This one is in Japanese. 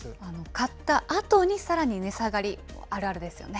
買ったあとにさらに値下がり、あるあるですよね。